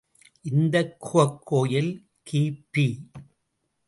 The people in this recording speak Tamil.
இந்தக் குகைக் கோயில் கி.பி.